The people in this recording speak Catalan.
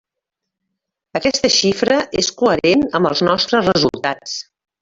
Aquesta xifra és coherent amb els nostres resultats.